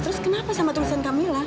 terus kenapa sama tulisan kamila